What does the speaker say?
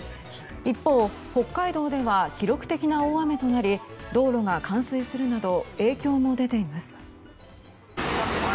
一方、北海道では記録的な大雨となり道路が冠水するなど影響も出ています。